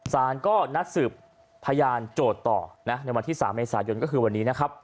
สารก็นัดสืบพยานโจทย์ต่อในวันที่๓เมษายนก็คือวันนี้นะครับ